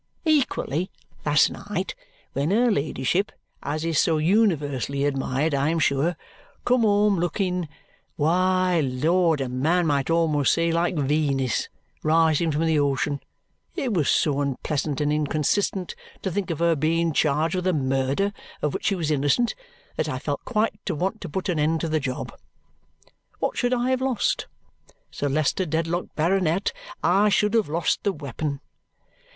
Equally, last night, when her ladyship, as is so universally admired I am sure, come home looking why, Lord, a man might almost say like Venus rising from the ocean it was so unpleasant and inconsistent to think of her being charged with a murder of which she was innocent that I felt quite to want to put an end to the job. What should I have lost? Sir Leicester Dedlock, Baronet, I should have lost the weapon.